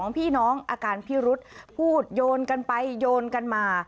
พี่น้องอาการพิรุษพูดโยนกันไปโยนกันมา